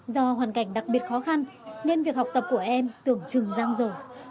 do hoàn cảnh đặc biệt khó khăn nên việc học tập của em tưởng trừng giang dở